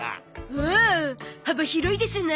おお幅広いですな。